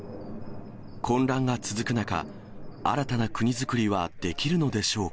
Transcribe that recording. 混乱が続く中、新たな国造りはできるのでしょうか。